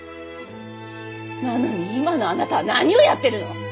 なのに今のあなたは何をやってるの？